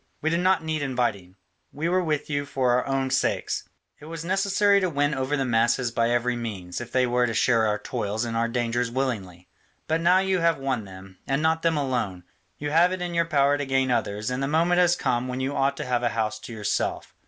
We did not need inviting: we were with you for our own sakes. It was necessary to win over the masses by every means, if they were to share our toils and our dangers willingly. But now you have won them, and not them alone; you have it in your power to gain others, and the moment has come when you ought to have a house to yourself.